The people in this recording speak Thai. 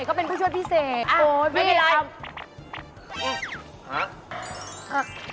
เขาเป็นผู้ช่วยพิเศษโอ้วพี่ไม่เป็นไร